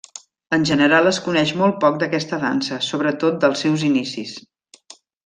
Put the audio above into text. En general es coneix molt poc d'aquesta dansa, sobretot dels seus inicis.